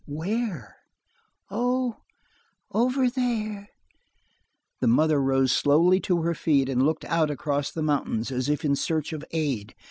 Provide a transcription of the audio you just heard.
"Where?" "Oh over there!" The mother rose slowly to her feet, and looked out across the mountains as if in search of aid.